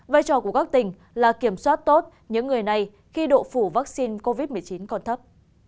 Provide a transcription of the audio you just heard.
vai trò của các tỉnh là kiểm soát tốt những người này khi độ phủ vaccine covid một mươi chín còn thấp